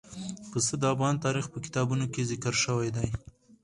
پسه د افغان تاریخ په کتابونو کې ذکر شوي دي.